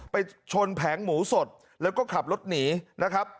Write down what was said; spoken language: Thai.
ไปชนแผงหมูสดแล้วก็ขับรถหนีนะครับ